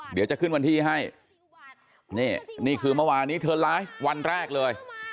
เดี๋ยวจะขึ้นวันที่ให้นี่นี่คือเมื่อวานนี้เธอไลฟ์วันแรกเลย